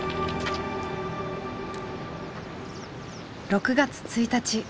６月１日。